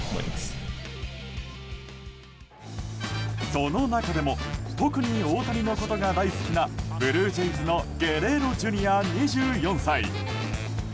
その中でも特に大谷のことが大好きなブルージェイズのゲレーロＪｒ．、２４歳。